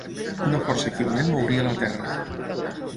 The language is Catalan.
Una força equivalent mouria la Terra.